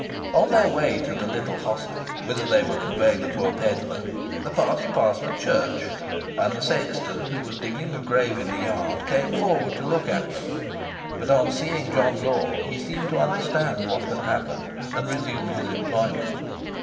On their way to the little hostel, whither they were conveying the poor pedlar, the party passed the church, and the sexton, who was digging a grave in the yard, came forward to look at them; but on seeing John Law he seemed to understand what had happened, and resumed his employment.